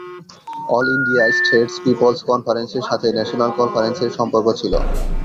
All India States Peoples কনফারেন্সের সাথে National কনফারেন্সের সম্পর্ক ছিল।